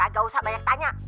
gagak usah banyak tanya